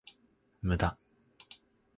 無駄